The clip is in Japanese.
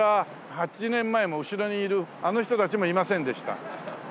８年前も後ろにいるあの人たちもいませんでした。